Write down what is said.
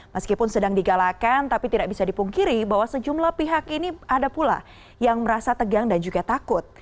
meskipun sedang digalakan tapi tidak bisa dipungkiri bahwa sejumlah pihak ini ada pula yang merasa tegang dan juga takut